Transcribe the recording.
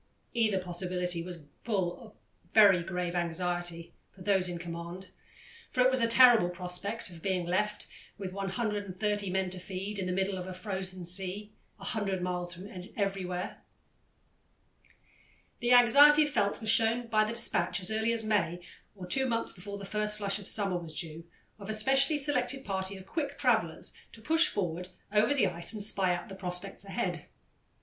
Either possibility was full of very grave anxiety for those in command, for it was a terrible prospect of being left, with 130 men to feed, in the midst of the frozen sea, "a hundred miles from everywhere." The anxiety felt was shown by the despatch, as early as May, or two months before the first flush of summer was due, of a specially selected party of quick travellers to push forward over the ice and spy out the prospects ahead.